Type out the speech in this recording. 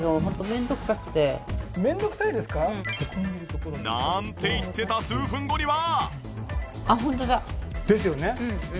面倒くさいですか？なんて言ってた数分後には。ですよね。